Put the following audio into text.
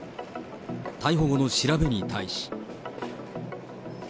逮捕後の調べに対し。